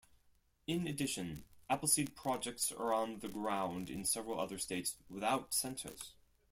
In addition, Appleseed projects are on the ground in several other states without Centers.